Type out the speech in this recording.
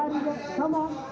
tidak ada yang bisa dibuat